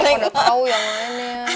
terpau terpau yang lainnya